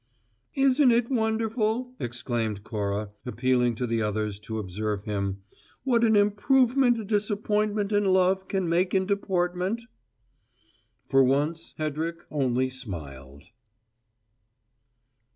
"Isn't it wonderful," exclaimed Cora, appealing to the others to observe him, "what an improvement a disappointment in love can make in deportment?" For once, Hedrick only smiled.